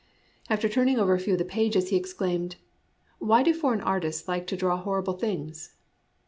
After turning over a few of the pages, he exclaimed, " Why do foreign artists like to draw horrible things